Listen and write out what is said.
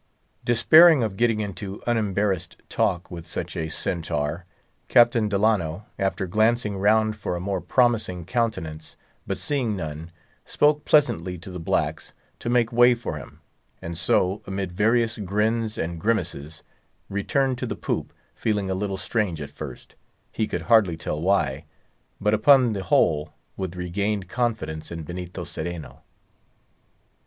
Despairing of getting into unembarrassed talk with such a centaur, Captain Delano, after glancing round for a more promising countenance, but seeing none, spoke pleasantly to the blacks to make way for him; and so, amid various grins and grimaces, returned to the poop, feeling a little strange at first, he could hardly tell why, but upon the whole with regained confidence in Benito Cereno.